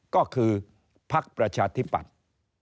ก็คือพักประชาธิปัตย์